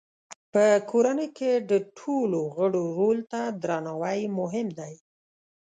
په کورنۍ کې د ټولو غړو رول ته درناوی مهم دی.